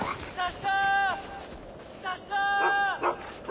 あっ。